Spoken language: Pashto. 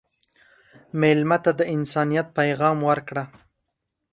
مېلمه ته د انسانیت پیغام ورکړه.